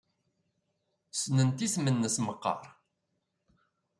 Ssnent isem-nnes meqqar?